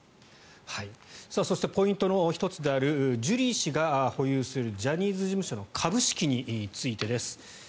そしてポイントの１つであるジュリー氏が保有するジャニーズ事務所の株式についてです。